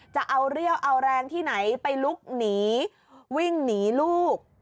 จะเอาเรี่ยวเอาแรงที่ไหนไปลุกหนีวิ่งหนีลูก